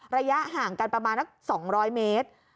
ระยะห่างกันประมาณนัก๒๐๐เมตร